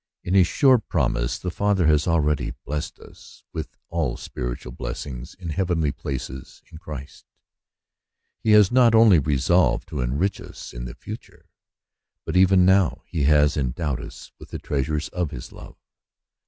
In his sure promise the Father has already "blessed us with all spiritual blessings in heavenly places in Christ : he has not only resolved to enrich us in the future, but even now he has endowed us with the treasures of his love.